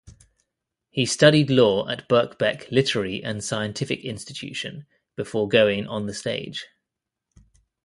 He studied law at Birkbeck Literary and Scientific Institution before going on the stage.